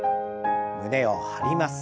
胸を張ります。